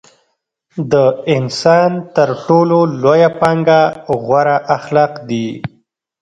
د انسان تر ټولو لويه پانګه غوره اخلاق دي.